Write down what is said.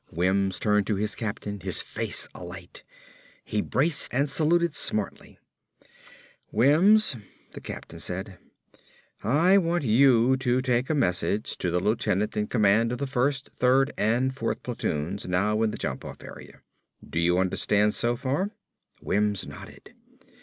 Wims turned to his captain, his face alight. He braced and saluted smartly. "Wims," the captain said, "I want you to take a message to the lieutenant in command of the first, third and fourth platoons now in the jump off area. Do you understand so far?" Wims nodded.